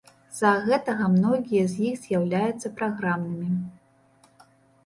З-за гэтага многія з іх з'яўляюцца праграмнымі.